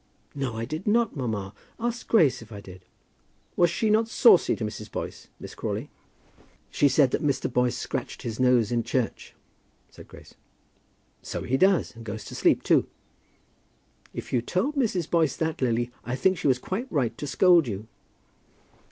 "No, I did not, mamma. Ask Grace if I did." "Was she not saucy to Mrs. Boyce, Miss Crawley?" "She said that Mr. Boyce scratches his nose in church," said Grace. "So he does; and goes to sleep, too." "If you told Mrs. Boyce that, Lily, I think she was quite right to scold you."